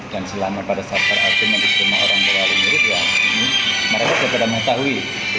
dan selama pada saat peraiteng yang dikirimkan oleh murid murid mereka sudah mengetahui